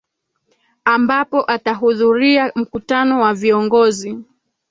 ambapo atahudhuria mkutano wa viongozi